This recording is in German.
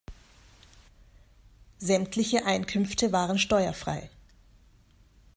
Sämtliche Einkünfte waren steuerfrei.